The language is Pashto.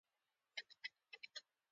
د وطن ساتنه د هر وګړي دیني او ملي دنده ده.